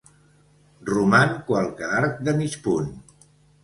Roman qualque arc de mig punt.